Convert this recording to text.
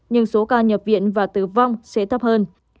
nhưng số ca nhập viện và tử vong sẽ thấp hơn